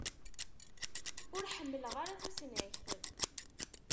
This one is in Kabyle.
Ur ḥemmleɣ ara tusnakt.